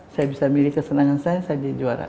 saya bisa milih kesenangan saya saja juara